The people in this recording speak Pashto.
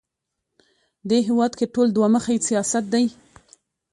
دې هېواد کې ټول دوه مخی سیاست دی